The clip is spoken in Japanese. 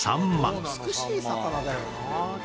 美しい魚だよなあ。